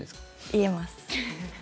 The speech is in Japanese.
言えます。